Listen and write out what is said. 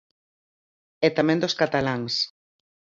E tamén dos cataláns.